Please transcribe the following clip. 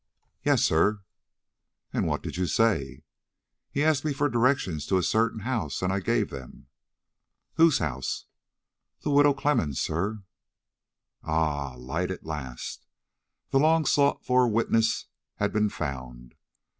"Yes, sir." "And what did you say?" "He asked me for directions to a certain house, and I gave them." "Whose house?" "The Widow Clemmens', sir." Ah, light at last! The long sought for witness had been found!